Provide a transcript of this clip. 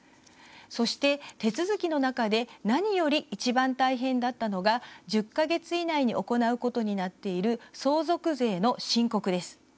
そして手続きの中で何よりいちばん大変だったのが１０か月以内に行うことになっている相続税の申告です。